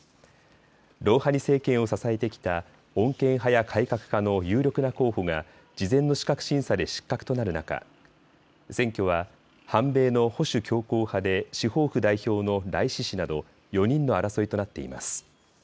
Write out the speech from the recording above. ロウハニ政権を支えてきた穏健派や改革派の有力な候補が事前の資格審査で失格となる中、選挙は反米の保守強硬派で司法府代表のライシ師など４人の争いとなっています。